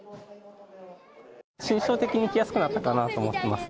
心象的に来やすくなったかなと思ってます。